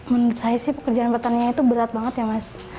menurut saya sih pekerjaan petaninya itu berat banget ya mas